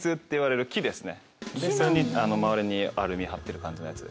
それに周りにアルミ貼ってる感じのやつです。